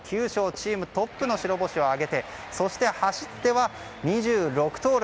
チームトップの白星を挙げてそして走っては２６盗塁。